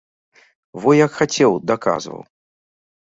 Во як хацеў, даказваў.